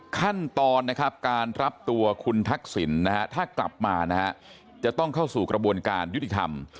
ขั้นตอนนะครับการรับตัวคุณทักษิณนะฮะถ้ากลับมานะฮะจะต้องเข้าสู่กระบวนการยุติธรรม